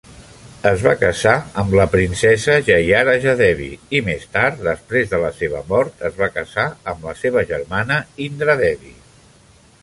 Es va casar amb la princesa Jayarajadevi i més tard, després de la seva mort, es va casar amb la seva germana Indradevi.